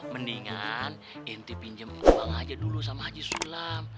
mendingan lo pinjem uang aja dulu sama haji sulam